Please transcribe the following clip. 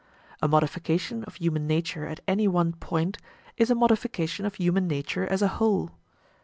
A modification of human nature at any one point is a modification of human nature as a whole.